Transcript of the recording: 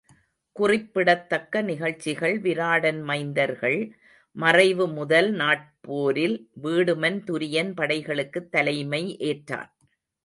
குறிப்பிடத்தக்க நிகழ்ச்சிகள் விராடன் மைந்தர்கள் மறைவு முதல் நாட் போரில் வீடுமன் துரியன் படைகளுக்குத் தலைமை ஏற்றான்.